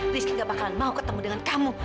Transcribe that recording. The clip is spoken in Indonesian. rizky gak bakalan mau ketemu dengan kamu